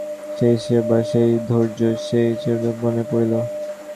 সেই সেবা, সেই ধৈর্য, সেই চিরপ্রসন্নতা মনে পড়িল।